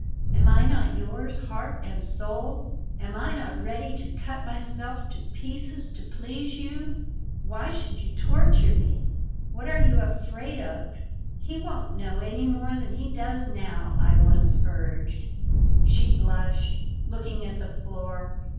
Am I not yours, heart and soul? Am I not ready to cut myself to pieces to please you? Why should you torture me?" "What are you afraid of? He won't know any more than he does now," I once urged. She blushed, looking at the floor.